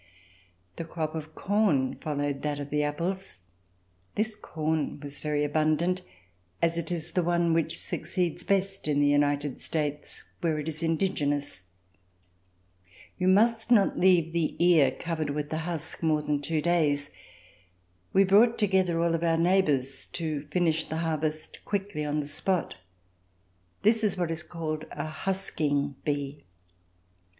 The crop of corn followed that of the apples. This crop was very abundant as it is the one which succeeds best in the United States where it is indigenous. As you must not leave the ear covered with the husk more than two days, we brought together all of our neighbors to finish the harvest quickly on the spot. This is what is called a "husking bee."